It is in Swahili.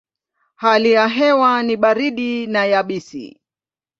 Hali ya hewa ni baridi na yabisi.